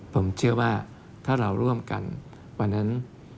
ผมเชื่อว่าถ้าเราร่วมกันวันนั้น